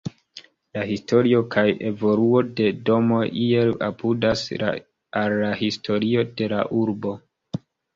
La historio kaj evoluo de domoj iel apudas al la historio de la urbo.